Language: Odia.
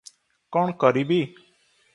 କଣ କରିବି?